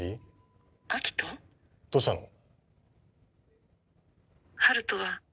どうしたの？